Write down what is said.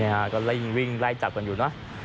เนี่ยก็ลิ่งวิ่งไล่จับกันอยู่นะ